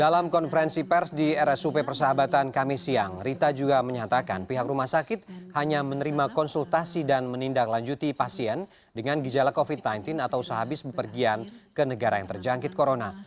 dalam konferensi pers di rsup persahabatan kami siang rita juga menyatakan pihak rumah sakit hanya menerima konsultasi dan menindaklanjuti pasien dengan gejala covid sembilan belas atau sehabis bepergian ke negara yang terjangkit corona